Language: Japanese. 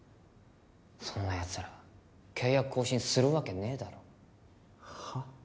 そんなやつら契約更新するわけねえだろはっ？